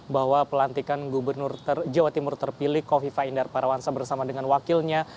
bahwa pelantikan gubernur jawa timur terpilih kofifa indar parawansa bersama dengan wakilnya